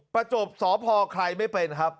ประจบสพใครไม่เป็นครับ